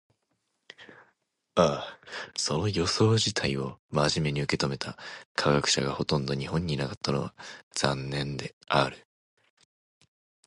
その予想自体を真面目に受け止めた科学者がほとんど日本にいなかったのは残念である。